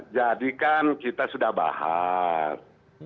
jadi kan kita sudah bahas